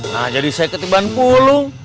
nah jadi saya ketibaan pulung